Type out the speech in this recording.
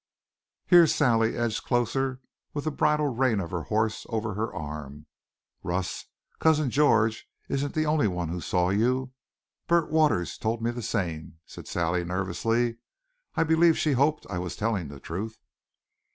Here Sally edged closer, with the bridle rein of her horse over her arm. "Russ, cousin George isn't the only one who saw you. Burt Waters told me the same," said Sally nervously. I believed she hoped I was telling the truth.